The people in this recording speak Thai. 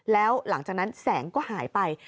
แล้วหลังจากนั้นแสงก็หายไป